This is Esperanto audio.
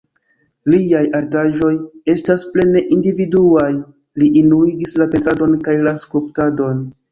Liaj artaĵoj estas plene individuaj, li unuigis la pentradon kaj la skulptadon.